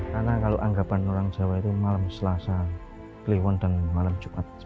karena kalau anggapan orang jawa itu malam selasa kliwon dan malam jumat